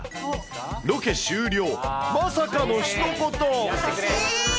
ロケ終了、まさかのひと言。